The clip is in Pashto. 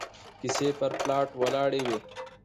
کيسې پر پلاټ ولاړې وي